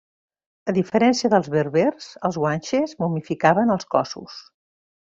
A diferència dels berbers, els guanxes momificaven els cossos.